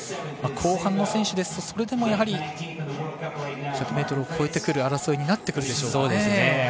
後半の選手ですとそれでもやはり１００ｍを超えてくる争いになってくるでしょうか。